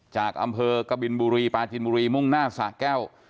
จากอำเภอกบินบุรีปาจินบุรีมุ่งหน้าสะแก้ว